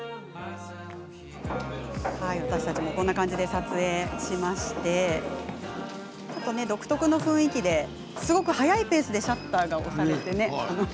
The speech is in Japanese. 私たちもこんな感じで撮影しまして独特の雰囲気ですごく速いペースでシャッターが押されてね。